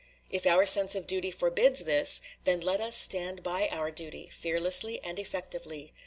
If our sense of duty forbids this, then let us stand by our duty, fearlessly and effectively.